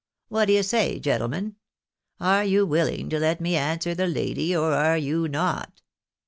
What d'ye say, gentlemen ? Are you willing to let me answer the lady, or are you not